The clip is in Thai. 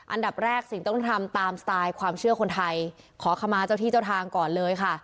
อันดับแรกสิ่งต้องทำตามสไตล์ความเชื่อคนไทยขอขมาเจ้าที่เจ้าทางก่อนเลยค่ะ